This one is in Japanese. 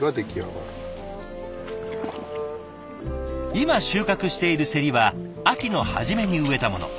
今収穫しているせりは秋の初めに植えたもの。